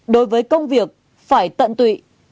đối với công việc phải tận tụy